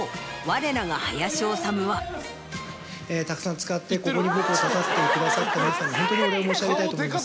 たくさん使ってここに僕を立たせてくださった皆さんに本当にお礼を申し上げたいと思います。